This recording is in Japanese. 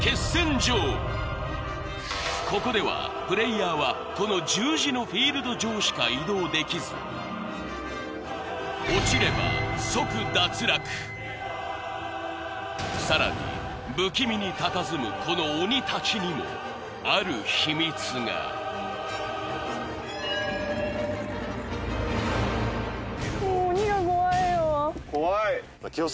ここではプレイヤーはこの十字のフィールド上しか移動できずさらに不気味にたたずむこの鬼たちにもある秘密が・怖い